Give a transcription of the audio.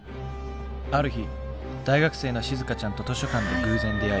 ある日大学生のしずかちゃんと図書館で偶然出会い。